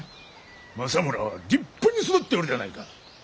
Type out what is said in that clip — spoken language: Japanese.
政村は立派に育っておるではないか。